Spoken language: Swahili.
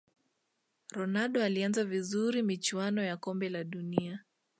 ronaldo alianza vizuri michuano ya kombe la dunia